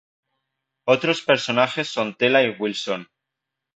Otros personajes son Tela y Wilson.